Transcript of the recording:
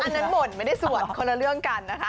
อันนั้นบ่นไม่ได้สวดคนละเรื่องกันนะคะ